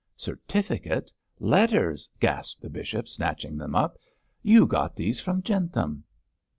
'Certificate! letters!' gasped the bishop, snatching them up. 'You got these from Jentham.'